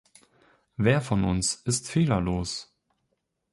Wer von uns ist fehlerlos?